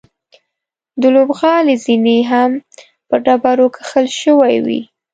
د لوبغالي زینې هم په ډبرو کښل شوې وې.